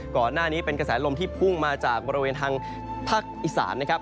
ก่อนหน้านี้เป็นกระแสลมที่พุ่งมาจากบริเวณทางภาคอีสานนะครับ